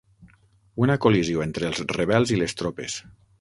Una col·lisió entre els rebels i les tropes.